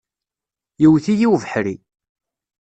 Yewwet-iyi ubeḥri.